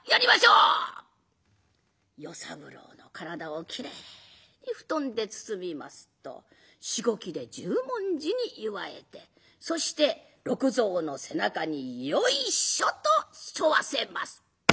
与三郎の体をきれいに布団で包みますとしごきで十文字に結わえてそして六蔵の背中によいしょとしょわせます。